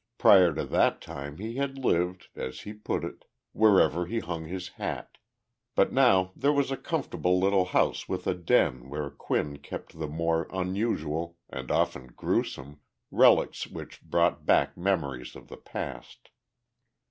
Prior to that time he had lived, as he put it, "wherever he hung his hat," but now there was a comfortable little house with a den where Quinn kept the more unusual, and often gruesome, relics which brought back memories of the past.